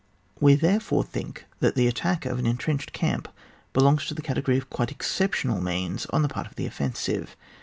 We, therefore, think that the attack of an entrenched camp belongs to. the category of quite exceptional means on the part of the offensive.